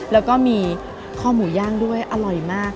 แล้วก็มีข้อหมูย่างด้วยอร่อยมาก